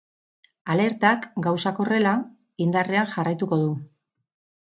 Alertak, gauzak horrela, indarrean jarraituko du.